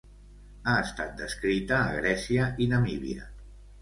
Ha estat descrita a Grècia i Namíbia.